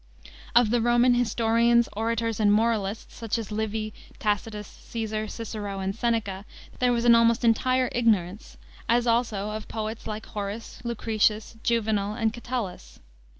Of the Roman historians, orators, and moralists, such as Livy, Tacitus, Caesar, Cicero, and Seneca, there was an almost entire ignorance, as also of poets like Horace, Lucretius, Juvenal, and Catullus.